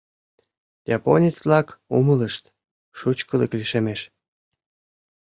Японец-влак умылышт: шучкылык лишемеш!